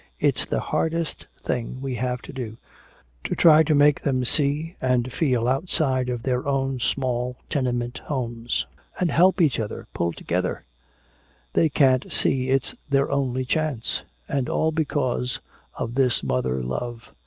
It's the hardest thing we have to do to try to make them see and feel outside of their own small tenement homes and help each other pull together. They can't see it's their only chance! And all because of this mother love!